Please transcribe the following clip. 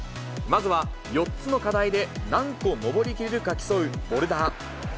まずは４つの課題で何個登り切れるか競うボルダー。